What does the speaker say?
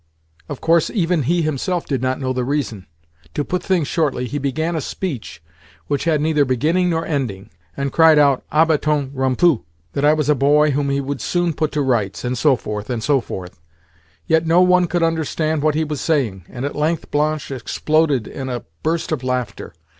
Of course even he himself did not know the reason. To put things shortly, he began a speech which had neither beginning nor ending, and cried out, à bâtons rompus, that I was a boy whom he would soon put to rights—and so forth, and so forth. Yet no one could understand what he was saying, and at length Blanche exploded in a burst of laughter.